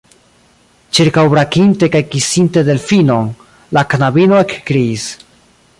Ĉirkaŭbrakinte kaj kisinte Delfinon, la knabino ekkriis: